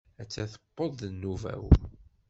Atta tewweḍ-d nnuba-w.